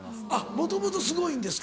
もともとすごいんですか？